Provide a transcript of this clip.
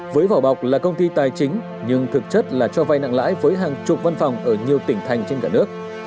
với vỏ bọc là công ty tài chính nhưng thực chất là cho vay nặng lãi với hàng chục văn phòng ở nhiều tỉnh thành trên cả nước